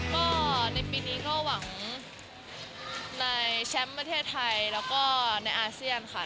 ก็ในปีนี้ก็หวังในแชมป์ประเทศไทยแล้วก็ในอาเซียนค่ะ